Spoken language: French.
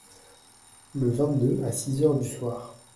Le vingt-deux, à six heures du soir.